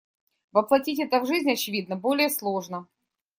Воплотить это в жизнь, очевидно, более сложно.